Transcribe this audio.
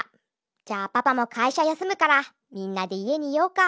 じゃあパパもかいしゃやすむからみんなでいえにいようか。